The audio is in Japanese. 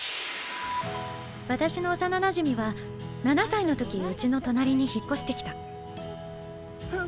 私の幼なじみは７歳の時うちの隣に引っ越してきたフン！